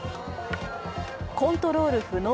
コントロール不能。